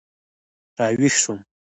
را ویښ شوم.